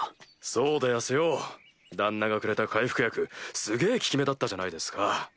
そうでやすよ旦那がくれた回復薬すげぇ効き目だったじゃないですか。